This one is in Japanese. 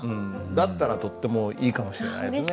だったらとってもいいかもしれないですね。